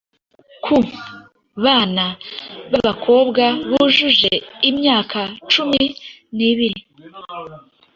Ku bana b’abakobwa bujuje imyaka cumi nibiri